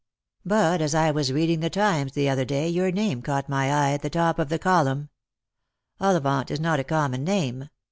But as I was reading the Times the other day your name caught my eye at the top of a column. Ollivaut is not a common name.